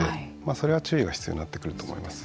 それは注意が必要になってくると思うんですね。